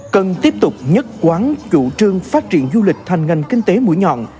cần tiếp tục nhất quán chủ trương phát triển du lịch thành ngành kinh tế mũi nhọn